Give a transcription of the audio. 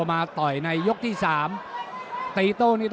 ฝ่ายทั้งเมืองนี้มันตีโต้หรืออีโต้